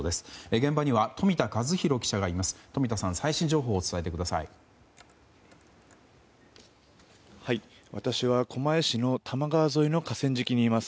現場には冨田和裕記者がいます。